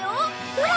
ほら！